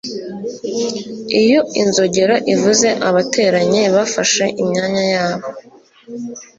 Iyo inzogera ivuze abateranye bafashe imyanya yabo